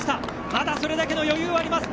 まだ、それだけの余裕はあります。